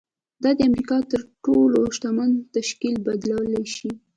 دا د امریکا تر تر ټولو شتمن تشکیل بدل شو